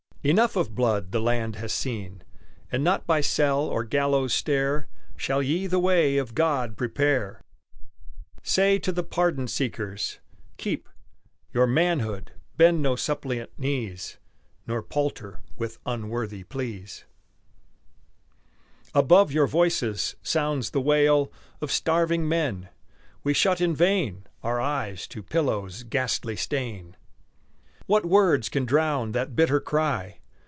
Enough of blood the land has seen, And not by cell or gallows stair Shall ye the way of God prepare. Say to the pardon seekers: Keep Your manhood, bend no suppliant knees, Nor palter with unworthy pleas. Above your voices sounds the wail Of starving men; we shut in vain Our eyes to Pillow's ghastly stain. What words can drown that bitter cry?